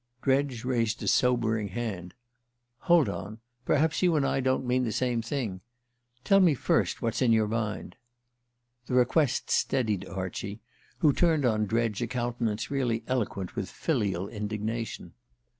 Dredge raised a sobering hand. "Hold on. Perhaps you and I don't mean the same thing. Tell me first what's in your mind." The request steadied Archie, who turned on Dredge a countenance really eloquent with filial indignation.